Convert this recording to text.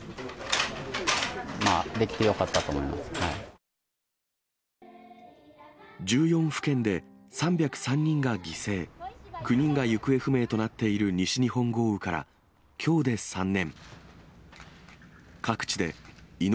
まあ、１４府県で３０３人が犠牲、９人が行方不明になっている西日本豪雨からきょうで３年。